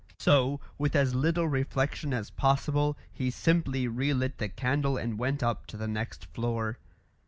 So, with as little reflection as possible, he simply relit the candle and went up to the next floor.